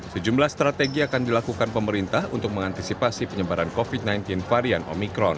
sejumlah strategi akan dilakukan pemerintah untuk mengantisipasi penyebaran covid sembilan belas varian omikron